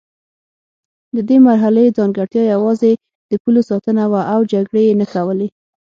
د دې مرحلې ځانګړتیا یوازې د پولو ساتنه وه او جګړې یې نه کولې.